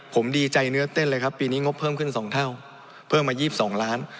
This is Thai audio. ผมดีใจเนื้อเต้นเลยครับปีนี้งบเพิ่มขึ้น๒เท่าเพิ่มมา๒๒ล้าน